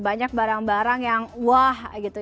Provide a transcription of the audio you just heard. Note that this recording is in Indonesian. banyak barang barang yang wah gitu